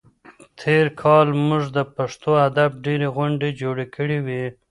تېر کال موږ د پښتو ادب ډېرې غونډې جوړې کړې وې.